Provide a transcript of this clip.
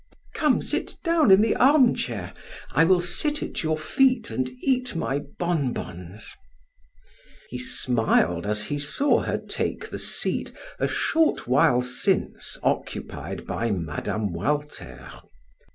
Come, sit down in the armchair, I will sit at your feet and eat my bonbons." He smiled as he saw her take the seat a short while since occupied by Mme. Walter.